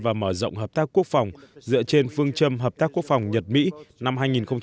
và mở rộng hợp tác quốc phòng dựa trên phương châm hợp tác quốc phòng nhật mỹ năm hai nghìn một mươi năm